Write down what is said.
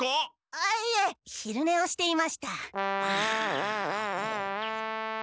あっいえ昼ねをしていました。